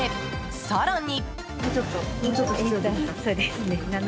更に。